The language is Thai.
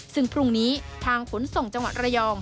ซึ่งพรุ่งนี้ทางขนส่งจังหวัดระยอง